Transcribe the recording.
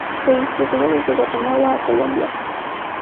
Se distribuye desde Guatemala a Colombia.